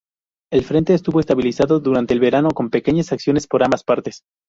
El frente estuvo estabilizado durante el verano con pequeñas acciones por ambas partes.